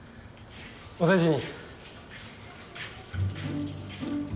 お大事に。